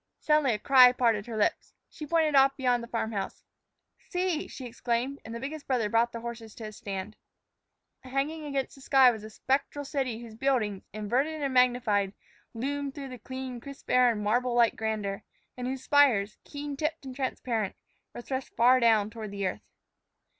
Suddenly a cry parted her lips. She pointed off beyond the farm house. "See!" she exclaimed, and the biggest brother brought the horse to a stand. Hanging against the sky was a spectral city whose buildings, inverted and magnified, loomed through the clear, crisp air in marble like grandeur, and whose spires, keen tipped and transparent, were thrust far down toward the earth.